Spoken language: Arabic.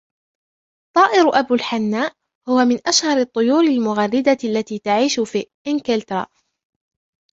طائر ابو الحناء هو من اشهر الطيور المغردة التي تعيش في انكلترا.